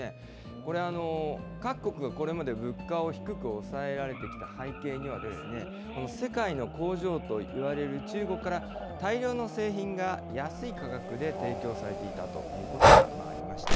これ、各国がこれまで物価を低く抑えられてきた背景には、この世界の工場といわれる中国から大量の製品が安い価格で提供されていたということがありました。